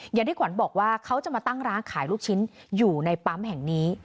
อย่างที่ขวัญบอกว่าเขาจะมาตั้งร้านขายลูกชิ้นอยู่ในปั๊มแห่งนี้